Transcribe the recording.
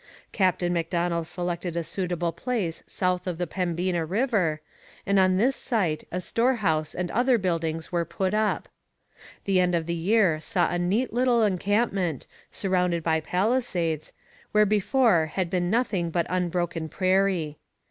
Captain Macdonell selected a suitable place south of the Pembina river, and on this site a storehouse and other buildings were put up. The end of the year saw a neat little encampment, surrounded by palisades, where before had been nothing but unbroken prairie.